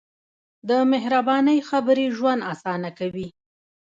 د مهربانۍ خبرې ژوند اسانه کوي.